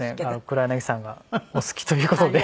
黒柳さんがお好きという事で。